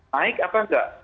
naik apa enggak